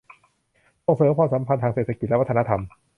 ส่งเสริมความสัมพันธ์ทางเศรษฐกิจและวัฒนธรรม